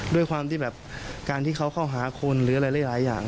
ด้วยความที่แบบการที่เขาเข้าหาคนหรืออะไรหลายอย่าง